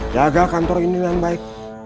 jaga kantor ini dengan baik